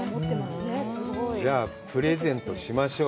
じゃあ、プレゼントしましょう。